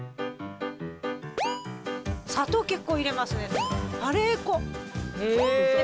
砂糖結構入れますね。